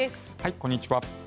こんにちは。